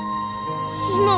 今。